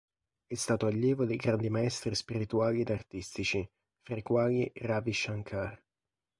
È stato allievo di grandi maestri spirituali ed artistici, fra i quali Ravi Shankar.